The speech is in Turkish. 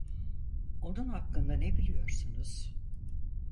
Onun hakkında ne biliyorsunuz?